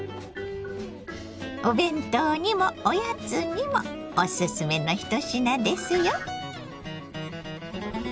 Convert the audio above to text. お弁当にもおやつにもおすすめの１品ですよ。